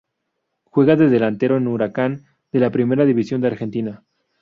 Juega de delantero en Huracán, de la Primera División de Argentina.